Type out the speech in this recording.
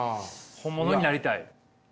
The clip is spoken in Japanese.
本物になりたい。